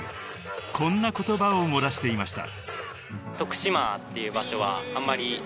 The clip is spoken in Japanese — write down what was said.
［こんな言葉を漏らしていました］